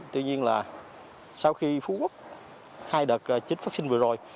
tuy nhiên là sau khi phú quốc hai đợt chích vaccine vừa rồi